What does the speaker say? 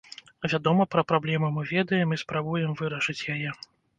Вядома, пра праблему мы ведаем і спрабуем вырашыць яе.